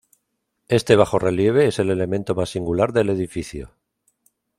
Este bajo relieve es el elemento más singular del edificio.